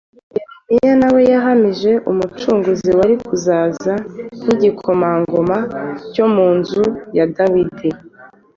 Yeremiya na we yahamije Umucunguzi wari kuzaza nk’Igikomangoma cyo mu nzu ya Dawid